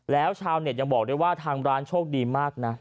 แล้วชาวเน็ตยังบอกด้วยว่าทางร้านโชคดีมากนะ